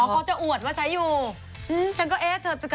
อ๋อเขาจะอวดว่าใช้อยู่